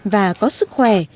và có sức khỏe